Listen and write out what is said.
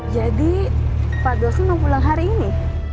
jadi pak dosen mau pulang hari ini